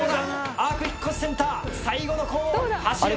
アーク引越センター最後の走る！